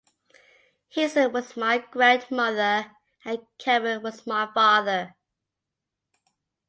Hazel was my grandmother and Cavan was my father.